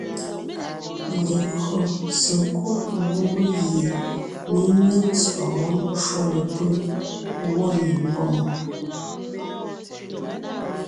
Legÿo sekúd gubé gie mé nyé ntsɔ̂ʼɔ wɔ́b ncwò lepʉ́ gwɔ̂ ye mbòŋo,